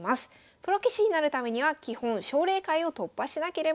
プロ棋士になるためには基本奨励会を突破しなければなりません。